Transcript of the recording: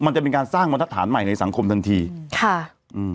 จะเป็นการสร้างบรรทัศน์ใหม่ในสังคมทันทีค่ะอืม